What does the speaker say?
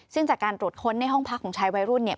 ซึ่งจากการตรวจค้นในห้องพักของชายวัยรุ่นเนี่ย